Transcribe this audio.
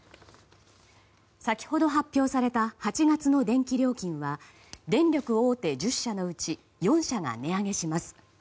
先ほど発表された８月の電気料金は電力大手１０社のうち４社が値上げします。